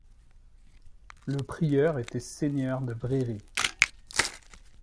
Le prieur était seigneur de Bréry.